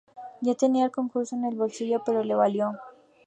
Ya tenía el concurso en el bolsillo, pero le valió.